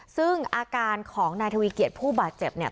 ซึ่งอาการของนายทวีเกียจผู้บาดเจ็บเนี่ย